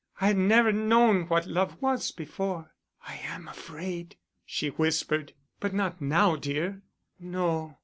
I had never known what love was before. I am afraid," she whispered. "But not now, dear?" "No.